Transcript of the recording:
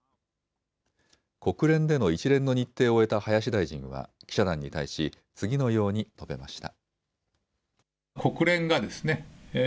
国連での一連の日程を終えた林大臣は記者団に対し次のように述べました。